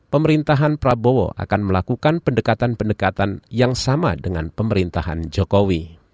pemerintahan prabowo akan melakukan pendekatan pendekatan yang sama dengan pemerintahan jokowi